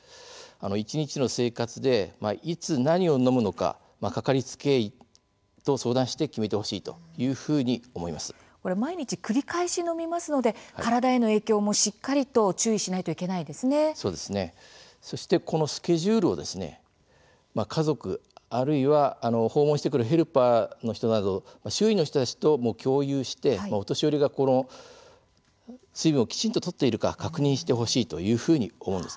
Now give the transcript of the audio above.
一日の生活でいつ何を飲むのか掛かりつけ医と相談して決めてほしいというふうに毎日、繰り返し飲みますので体への影響もしっかりと注意しないとそしてこのスケジュールを家族あるいは訪問してくるヘルパーの人など周囲の人たちと共有してお年寄りが水分をきちんととっているか確認してほしいと思います。